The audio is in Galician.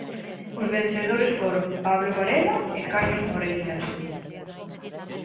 Os vencedores foron Pablo Varela e Carlos Moreiras.